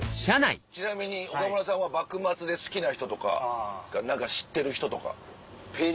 ちなみに岡村さんは幕末で好きな人とか何か知ってる人とか。